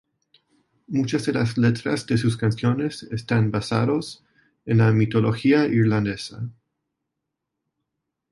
Muchas de las letras de sus canciones están basados en la mitología irlandesa.